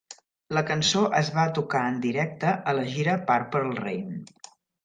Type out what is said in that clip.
La cançó es va tocar en directe a la gira Purple Rain.